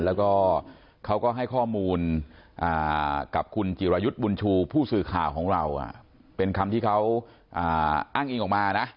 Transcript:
แล้วก็เขาก็ให้ข้อมูลกับคุณจิรายุทธ์บุญชูผู้สื่อข่าวของเราเป็นคำที่เขาอ้างอิงออกมานะ